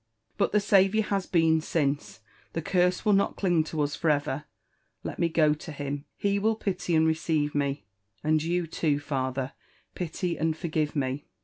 — But the Saviour has been since— the curse will not cling to us for ever !— Let me go to him — he will pity and receive me. And you too, father, pity and forgive me.